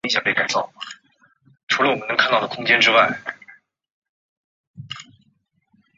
阿尔瑟南人口变化图示